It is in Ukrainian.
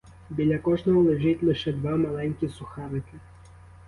Біля кожного лежить лише два маленькі сухарики.